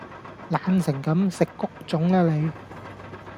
懶成咁！食谷種啦你